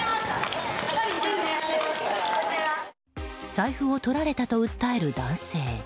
財布をとられたと訴える男性。